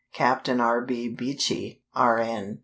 Captain R. B. Beechey, R.N.